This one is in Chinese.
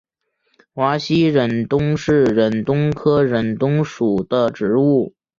华西忍冬是忍冬科忍冬属的植物。